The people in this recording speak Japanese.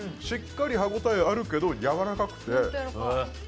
しっかり歯応えあるけど、柔らかくて。